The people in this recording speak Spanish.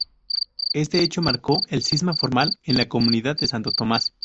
Este hecho marcó el cisma formal en la comunidad de Santo Tomás.